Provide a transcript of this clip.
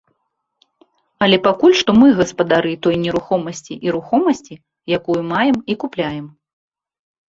Але пакуль што мы гаспадары той нерухомасці і рухомасці, якую маем і купляем.